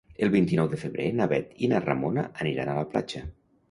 El vint-i-nou de febrer na Bet i na Ramona aniran a la platja.